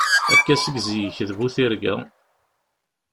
Akka seg zik, d bu tirga.